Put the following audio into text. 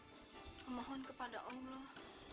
memohon kepada allah